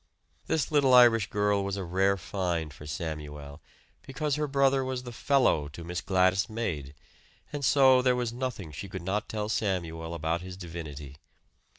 This little Irish girl was a rare find for Samuel, because her brother was the "fellow" to Miss Gladys's maid, and so there was nothing she could not tell Samuel about his divinity.